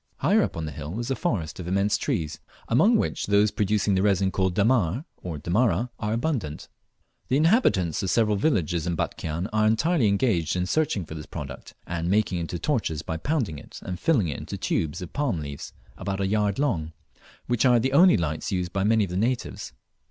Higher up on the bill is a forest of immense trees, among which those producing the resin called dammar (Dammara sp.) are abundant. The inhabitants of several small villages in Batchian are entirely engaged in searching for this product, and making it into torches by pounding it and filling it into tubes of palm leaves about a yard long, which are the only lights used by many of the natives.